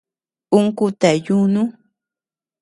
Ún kutea yunu.